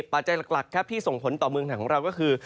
ปัจจัยหลักครับที่ส่งผลต่อเมืองไทยของเราก็คือ